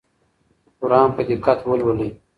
قرآن په دقت ولولئ.